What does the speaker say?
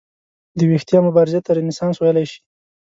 د ویښتیا مبارزې ته رنسانس ویلی شي.